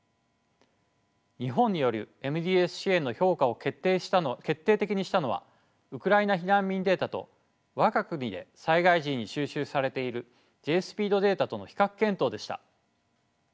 日本によるＭＤＳ支援の評価を決定的にしたのはウクライナ避難民データと我が国で災害時に収集されているＪ−ＳＰＥＥＤデータとの比較検討でした。